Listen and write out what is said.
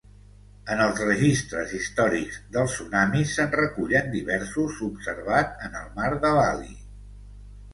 En els registres històrics dels tsunamis se'n recullen diversos observat en el mar de Bali.